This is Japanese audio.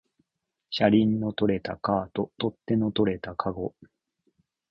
車輪の取れたカート、取っ手の取れたかご